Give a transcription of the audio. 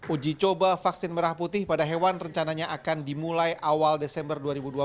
uji coba vaksin merah putih pada hewan rencananya akan dimulai awal desember dua ribu dua puluh